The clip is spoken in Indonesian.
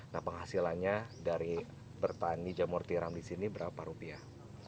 nah penghasilannya dari bertani jamur tiram di sini berapa rupiah